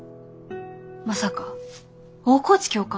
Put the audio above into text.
まさか大河内教官？